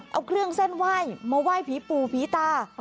เอาเครื่องเส้นว่ายมาว่ายผีปู่ผีตา